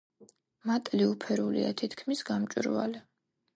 მატლი უფერულია, თითქმის გამჭვირვალე.